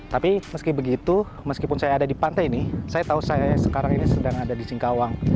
tapi meski begitu meskipun saya ada di pantai ini saya tahu saya sekarang ini sedang ada di singkawang